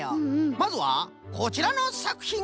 まずはこちらのさくひん！